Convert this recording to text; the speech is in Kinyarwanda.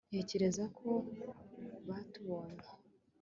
ntekereza ko batubonye